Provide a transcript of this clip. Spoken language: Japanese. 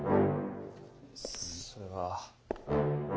それは。